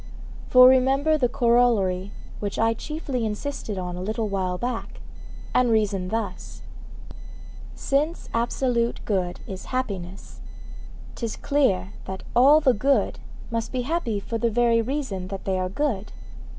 For remember the corollary which I chiefly insisted on a little while back, and reason thus: Since absolute good is happiness, 'tis clear that all the good must be happy for the very reason that they are good.